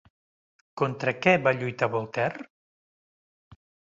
Contra què va lluitar Voltaire?